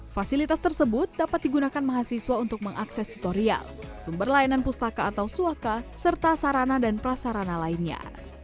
fasilitas tersebut dapat digunakan mahasiswa untuk mengakses tutorial sumber layanan pustaka atau suaka serta sarana dan prasarana lainnya